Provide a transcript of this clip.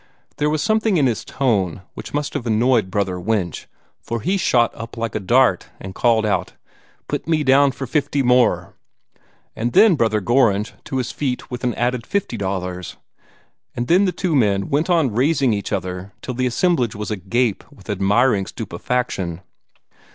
There was something in his tone which must have annoyed Brother Winch, for he shot up like a dart, and called out, "Put me down for fifty more;" and that brought Gorringe to his feet with an added $50, and then the two went on raising each other till the assemblage was agape with admiring stupefaction.